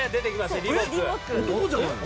男じゃないの？